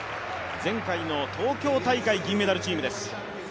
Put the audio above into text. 前回の東京大会銀メダルチームです。